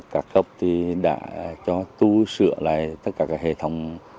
các cấp đã cho tu sửa lại tất cả các hệ thống